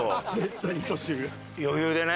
余裕でね。